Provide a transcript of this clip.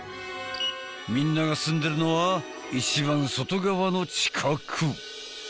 みんなが住んでるのは一番外側の地殻。